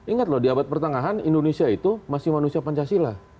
ingat loh di abad pertengahan indonesia itu masih manusia pancasila